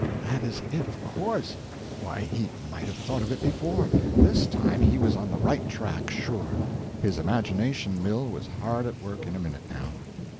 That is it! Of course. Why, he might have thought of it before. This time he was on the right track, sure. His imagination mill was hard at work in a minute, now.